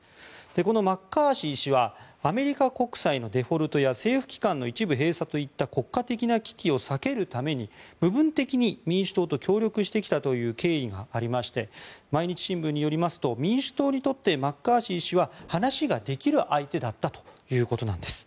このマッカーシー氏はアメリカ国債のデフォルトや政府機関の一部閉鎖といった国家的な危機を避けるために部分的に民主党と協力してきたという経緯がありまして毎日新聞によりますと民主党にとってマッカーシー氏は話ができる相手だったということです。